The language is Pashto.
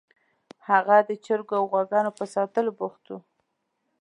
هغه د چرګو او غواګانو په ساتلو بوخت و